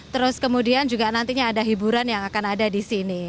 terus kemudian juga nantinya ada hiburan yang akan ada di sini